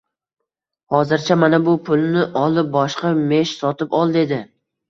Hozircha mana bu pulni olib, boshqa mesh sotib ol, dedi